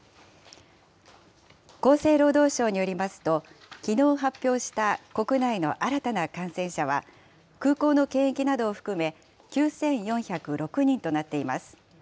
厚生労働省によりますと、きのう発表した国内の新たな感染者は、空港の検疫などを含め、９４０６人となっています。